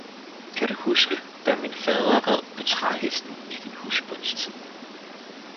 kan du huske, da min fader red på træhesten i din husbonds tid.